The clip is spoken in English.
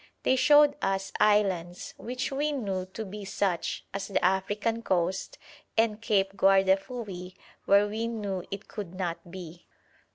They showed us islands, which we knew to be such, as the African coast, and Cape Guardafui where we knew it could not be.